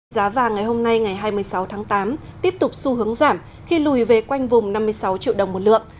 giá vàng ngày hôm nay ngày hai mươi sáu tháng tám tiếp tục xu hướng giảm khi lùi về quanh vùng năm mươi sáu triệu đồng một lượng